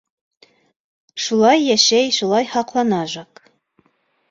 Шулай йәшәй, шулай һаҡлана Жак.